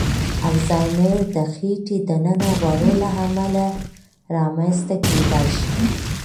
الزایمر د خېټې دننه غوړو له امله رامنځ ته کېدای شي.